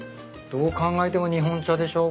どう考えても日本茶でしょ？